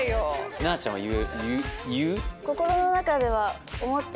七ちゃんは言う？